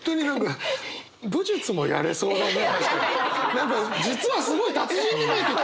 何か実はすごい達人に見えてきたよ。